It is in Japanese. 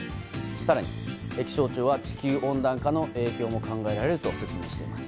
更に、気象庁は地球温暖化の影響も考えられると説明しています。